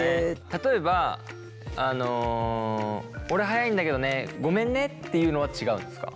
例えば俺速いんだけどねごめんねっていうのは違うんですか？